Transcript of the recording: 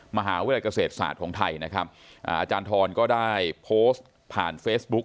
มหาวิทยาลัยเกษตรศาสตร์ของไทยนะครับอ่าอาจารย์ทรก็ได้โพสต์ผ่านเฟซบุ๊ค